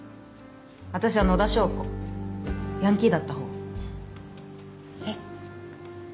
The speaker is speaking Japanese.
私は野田翔子ヤンキーだったほうえっ？